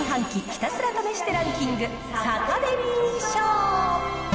ひたすら試してランキング、サタデミー賞。